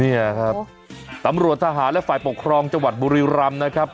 เนี่ยครับตำรวจทหารและฝ่ายปกครองจังหวัดบุรีรำนะครับ